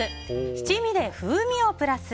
七味で風味をプラス！